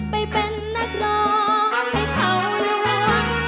ไปเป็นนักรอบให้เขาระวัง